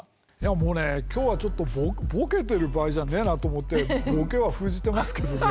もうね今日はちょっとボケてる場合じゃねえなと思ってボケは封じてますけどね。